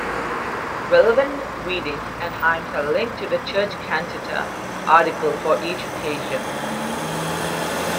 Relevant readings and hymns are linked to the church cantata article for each occasion.